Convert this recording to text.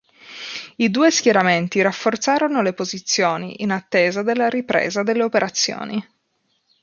I due schieramenti rafforzarono le posizioni, in attesa della ripresa delle operazioni.